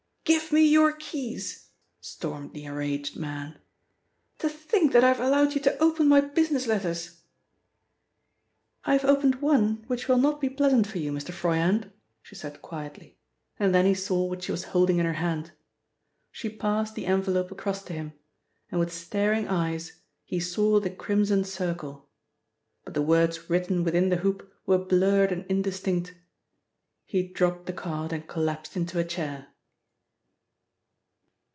"Give me your keys," stormed the enraged man. "To think that I've allowed you to open my business letters!" "I've opened one which will not be pleasant for you, Mr. Froyant," she said quietly, and then he saw what she was holding in her hand. She passed the envelope across to him, and with staring eyes he saw the Crimson Circle, but the words written within the hoop were blurred and indistinct. He dropped the card and collapsed into a chair.